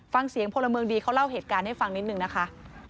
ฟังเสียงพลเมืองดีเขาเล่าเหตุการณ์ให้ฟังนิดนึงนะคะ